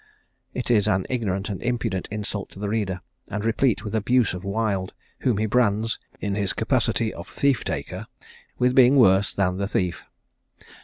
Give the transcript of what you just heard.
It is an ignorant and impudent insult to the reader, and replete with abuse of Wild, whom he brands, in his capacity of thief taker, with being worse than the thief.